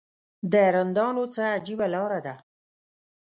د رندانو څه عجیبه لاره ده.